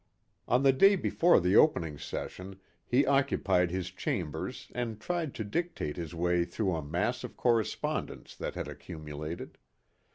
On the day before the opening session he occupied his chambers and tried to dictate his way through a mass of correspondence that had accumulated.